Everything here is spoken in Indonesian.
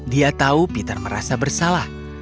dia tahu peter merasa bersalah